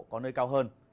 có nơi cao hơn